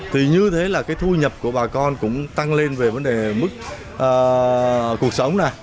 thì như thế là cái thu nhập của bà con cũng tăng lên về vấn đề mức cuộc sống này